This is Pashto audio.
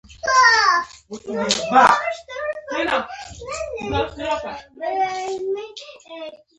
غنم پنځه کیلو او اوسپنه یو کیلو ده.